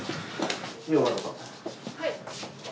はい。